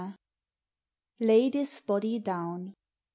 LAY DIS BODY DOWN.